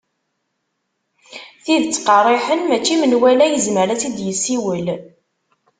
Tidet qerriḥen mačči menwala yezmer a tt-id-yessiwel.